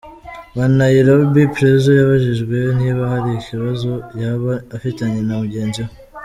wa Nairobi, Prezzo yabajijwe niba hari ikabazo yaba afitanye na mugenzi we.